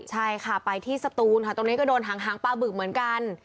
ใช่ค่ะไปที่สตูนค่ะตรงนี้ก็โดนหางปลาบึกเหมือนกัน